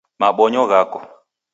Mabonyo ghako